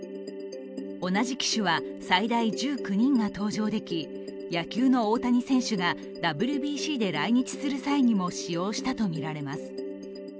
同じ機種は最大１９人が搭乗でき、野球の大谷選手がＷＢＣで来日する際にも使用したとみられます。